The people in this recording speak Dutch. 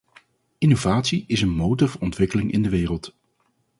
Innovatie is een motor voor ontwikkeling in de wereld.